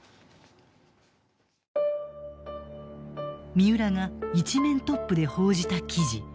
三浦が一面トップで報じた記事。